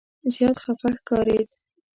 زیات خفه ښکارېد.